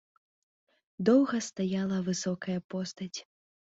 Доўга стаяла высокая постаць.